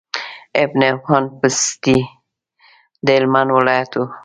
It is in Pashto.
ابن حبان بستي د هلمند ولايت وو